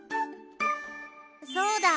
そうだ！